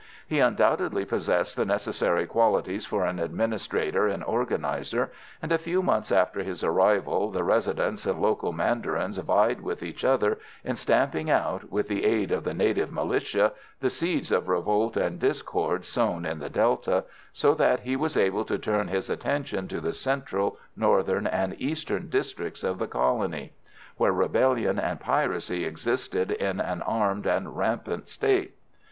He undoubtedly possessed the necessary qualities for an administrator and organiser; and a few months after his arrival the Residents and local mandarins vied with each other in stamping out, with the aid of the native militia, the seeds of revolt and discord sown in the Delta, so that he was able to turn his attention to the central, northern and eastern districts of the colony, where rebellion and piracy existed in an armed and rampant state.